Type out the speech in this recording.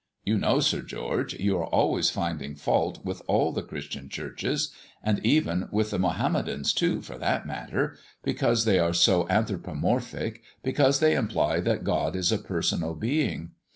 You know, Sir George, you are always finding fault with all the Christian Churches and even with the Mahommedans too, for that matter because they are so anthropomorphic, because they imply that God is a personal being.